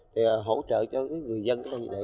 thì hỗ trợ cho người dân